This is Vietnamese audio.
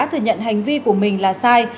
thừa nhận hành vi của mình là sai